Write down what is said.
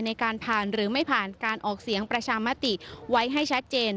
ในการผ่านหรือไม่ผ่านการออกเสียงประชามติไว้ให้ชัดเจน